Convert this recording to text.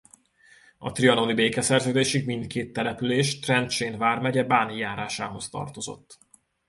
A trianoni békeszerződésig mindkét település Trencsén vármegye Báni járásához tartozott.